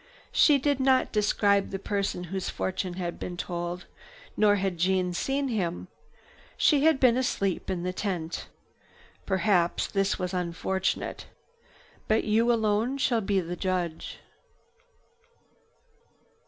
She did not describe the person whose fortune had been told, nor had Jeanne seen him. She had been asleep in the tent. Perhaps this was unfortunate. But you alone shall be the judge.